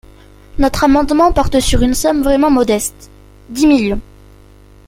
Notre amendement porte sur une somme vraiment modeste : dix millions.